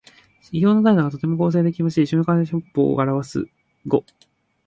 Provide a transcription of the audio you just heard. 批評の態度が公正できびしい「春秋筆法」を表す語。